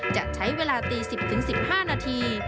จะใช้เวลาตี๑๐๑๕นาที